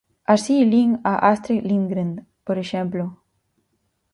Así lin a Astrid Lindgren, por exemplo.